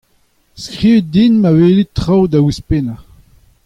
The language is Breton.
Skrivit din ma welit traoù da ouzhpennañ.